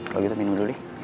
kalau gitu minum dulu